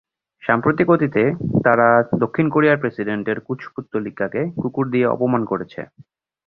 সাম্প্রতিক অতীতে তারা দক্ষিণ কোরিয়ার প্রেসিডেন্টের কুশপুত্তলিকাকে কুকুর দিয়ে অপমান করেছে।